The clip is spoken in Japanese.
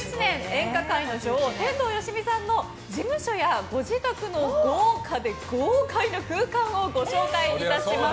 演歌界の女王天童よしみさんの事務所やご自宅の豪華で豪快な空間をご紹介いたします。